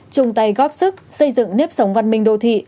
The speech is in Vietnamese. chung tay góp sức xây dựng nếp sống văn minh đô thị